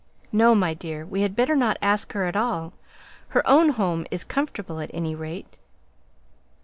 No, my dear, we had better not ask her at all, her own home is comfortable at any rate!"